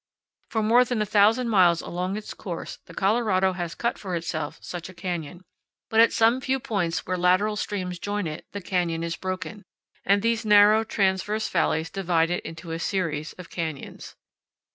For more than a thousand miles along its course the Colorado has cut for itself such a canyon; but at some few points where lateral streams join it the canyon is broken, and these narrow, transverse valleys divide it into a series of canyons.